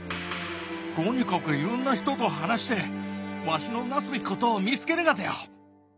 とにかくいろんな人と話してわしのなすべきことを見つけるがぜよ！